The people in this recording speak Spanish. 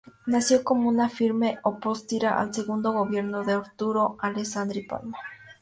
Nació como una firme opositora al segundo gobierno de Arturo Alessandri Palma.